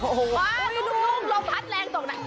พัดลุงลมพัดแรงตรงไหน